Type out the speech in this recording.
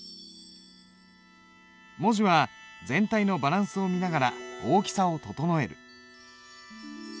文字は全体のバランスを見ながら大きさを整える。